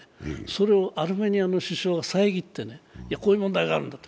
それをアルメニアの首相が遮って、いや、こういう問題があるんだと。